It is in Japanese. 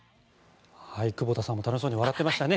久保田さんも楽しそうに笑ってましたね。